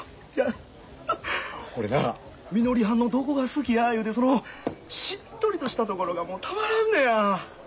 俺なみのりはんのどこが好きやいうてそのしっとりとしたところがもうたまらんねや。